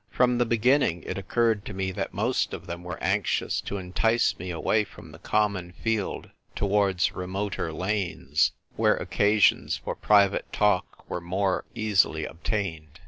From the beginning it occurred to me that most of them were anxious to entice me away from the common field towards remoter lanes A MUTINOUS MUTINEER. Jf where occasions for private talk were more easily obtained.